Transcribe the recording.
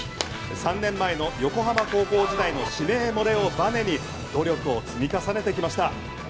３年前の横浜高校時代の指名漏れをバネに努力を積み重ねてきました。